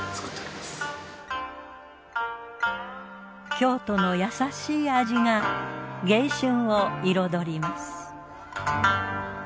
京都の優しい味が迎春を彩ります。